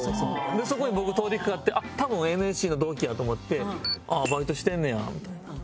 そこに僕通りかかって多分ＮＳＣの同期やと思って「バイトしてんねや」みたいな。